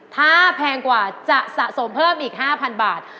ถ้าแพงกว่าจะสะสมเพิ่มอีก๕๐๐บาท